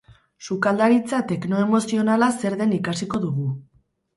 Sukaldaritza teknoemozionala zer den ikasiko dugu.